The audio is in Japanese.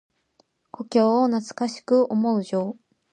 故郷を懐かしく思う情。